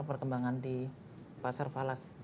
perkembangan di pasar falas